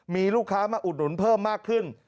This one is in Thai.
มีลูกค้ามาอุดหนุนเพิ่มมากขึ้น